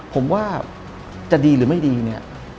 ผมว่าจะดีหรือไม่ดี